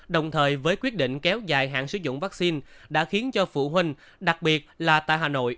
đồng thời với quyết định kéo dài hạn sử dụng vaccine đã khiến cho phụ huynh đặc biệt là tại hà nội